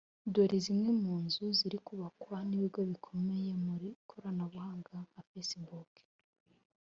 Dore zimwe mu nzu ziri kubakwa n’ibigo bikomeye mu ikoranabuhanga nka Facebook